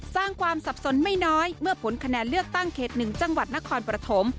สร้างความสับสนไม่น้อยเมื่อผลคะแนนเลือกตั้งเขต๑จังหวัดนครปฐม